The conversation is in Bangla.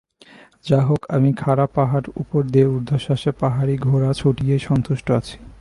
যা হোক আমি খাড়া পাহাড়ের উপর দিয়ে ঊর্ধ্বশ্বাসে পাহাড়ী ঘোড়া ছুটিয়েই সন্তুষ্ট আছি।